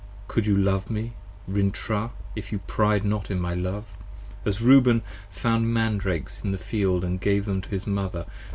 Could you Love me, Rintrah, if you Pride not in my Love, As Reuben found Mandrakes in the field & gave them to his Mother.